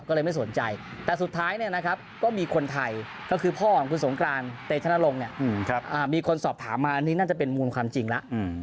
ก็เลยไม่สนใจแต่สุดท้ายก็มีคนไทยก็คือพ่อของคุณสงครานเตชนรงค์มีคนสอบถามมาอันนี้น่าจะเป็นมุมความจริงละ